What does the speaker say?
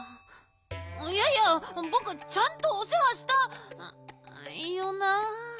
いやいやぼくちゃんとおせわした！よな？